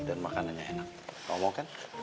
dan makanannya enak